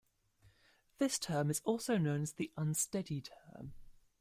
This term is also known as the "unsteady term".